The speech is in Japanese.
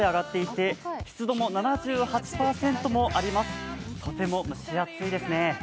とても蒸し暑いですね。